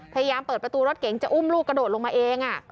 พยายามเปิดประตูรถเก๋งจะอุ้มลูกกระโดดลงมาเอง